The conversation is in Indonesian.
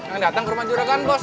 yang datang ke rumah juragan bos